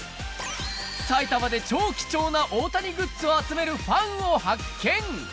埼玉で超貴重な大谷グッズを集めるファンを発見！